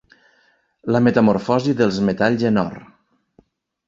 La metamorfosi dels metalls en or.